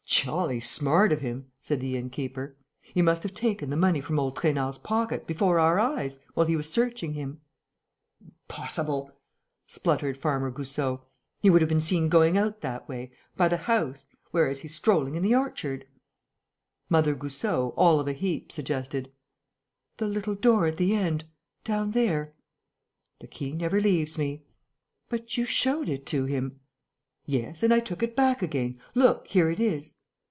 "Jolly smart of him!" said the inn keeper. "He must have taken the money from old Trainard's pocket, before our eyes, while he was searching him." "Impossible!" spluttered Farmer Goussot. "He would have been seen going out that way ... by the house ... whereas he's strolling in the orchard." Mother Goussot, all of a heap, suggested: "The little door at the end, down there?..." "The key never leaves me." "But you showed it to him." "Yes; and I took it back again.... Look, here it is."